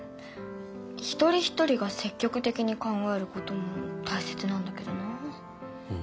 一人一人が積極的に考えることもたいせつなんだけどな。